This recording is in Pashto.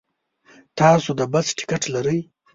تاسو د بس ټکټ لرئ؟